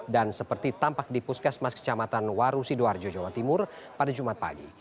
dan seperti tampak di puskesmas kecamatan waru sidoarjo jawa timur pada jumat pagi